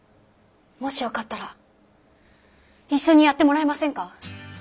もしよかったら一緒にやってもらえませんか？